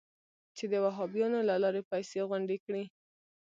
چې د وهابیانو له لارې پیسې غونډې کړي.